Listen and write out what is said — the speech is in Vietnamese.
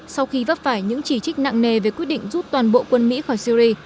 sau khi vấp phải những chỉ trích nặng nề về quyết định rút toàn bộ quân mỹ khỏi syri